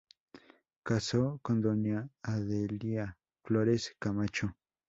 Casó con doña Adelia Flores Camacho.